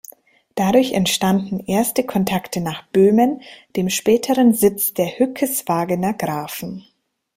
Dadurch entstanden erste Kontakte nach Böhmen, dem späteren Sitz der Hückeswagener Grafen.